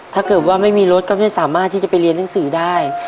ถ้าเกิดว่าไม่มีรถก็ไม่สามารถที่จะไปเรียนหนังสือได้